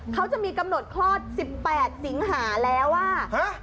เขาจะมีกำหนดคลอด๑๘สิงหาแล้วว่า